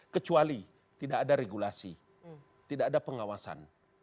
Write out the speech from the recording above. kecuali tidak ada regulasi tidak ada pengawasan